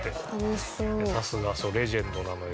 さすがレジェンドなのよ。